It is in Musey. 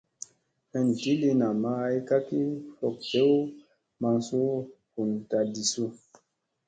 An di lii namma ay ka ki fok jew maŋ suu vun da ɗisu.